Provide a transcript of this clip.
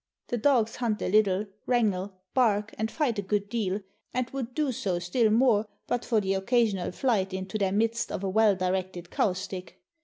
The dogs hunt a little, wrangle, bark, and fight a good deal, and would do so still more, but for the occasional flight, into their midst, of a well directed cow stick.